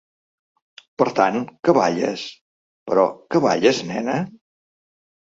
Per tant: que balles?, però ¿que balles, nena?.